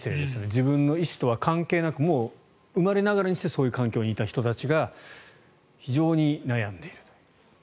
自分の意思とは関係なく生まれながらにしてそういう環境にいた人たちが非常に悩んでいる。